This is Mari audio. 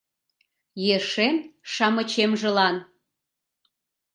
Ешем-шамычемжылан